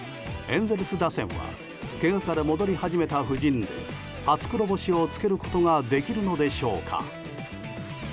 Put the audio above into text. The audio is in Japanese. エンゼルス打線はけがから戻り始めた布陣で初黒星をつけることができるのでしょうか。